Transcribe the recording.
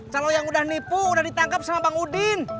kalau yang udah nipu udah ditangkap sama bang udin